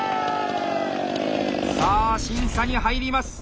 さあ審査に入ります！